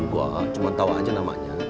gue cuma tahu aja namanya